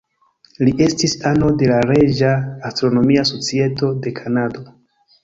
Li estis ano de la Reĝa astronomia societo de Kanado.